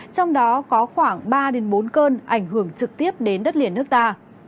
trong đó có khoảng ba bốn cơn ảnh hưởng trực tiếp đến đất liền nước ta